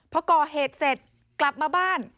พอก่อเหตุเสร็จกลับมาบ้าน